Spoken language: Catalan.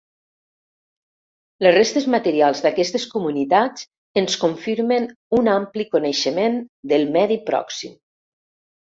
Les restes materials d'aquestes comunitats ens confirmen un ampli coneixement del medi pròxim.